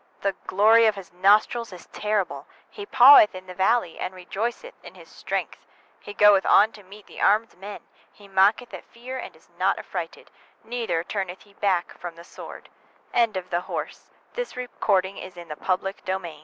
the glory of his nostrils is terrible. 21Â He paweth in the valley, and rejoiceth in his strength: he goeth on to meet the armed men. 22Â He mocketh at fear, and is not affrighted; neither turneth he back from the sword. Read full chapter Next Job 38Job 40Next dropdow